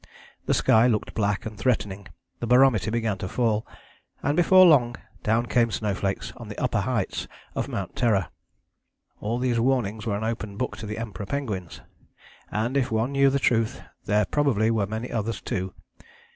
The sky looked black and threatening, the barometer began to fall, and before long down came snowflakes on the upper heights of Mount Terror. "All these warnings were an open book to the Emperor penguins, and if one knew the truth there probably were many others too.